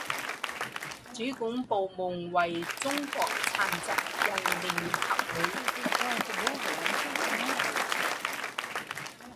主管部门为中国残疾人联合会。